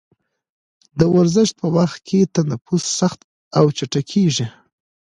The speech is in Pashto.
د ورزش په وخت کې تنفس سخت او چټکېږي.